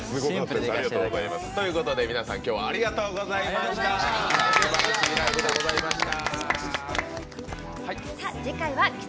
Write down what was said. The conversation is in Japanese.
ということで皆さんきょうはありがとうございました。